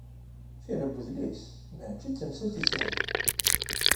Tira n udlis mačči d tamsalt isehlen.